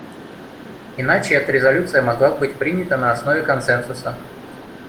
Иначе эта резолюция могла бы быть принята на основе консенсуса.